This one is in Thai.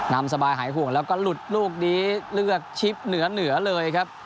นำสบายหายห่วงแล้วก็หลุดลูกนี้เลือกชิปเหนือเหนือเลยครับ